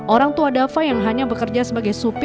orang tua dava yang hanya bekerja sebagai supir